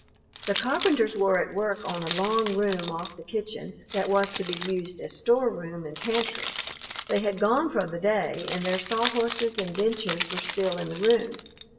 The carpenters were at work on a long room off the kitchen that was to be used as storeroom and pantry. They had gone for the day, and their saw horses and benches were still in the room.